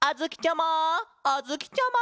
あづきちゃま！